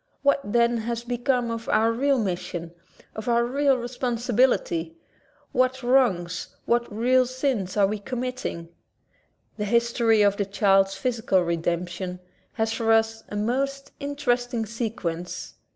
What, then, has become of our real mission, of our real responsibility? What w^rongs, what real sins are we committing? The history of the child's physical redemp tion has for us a most interesting sequence.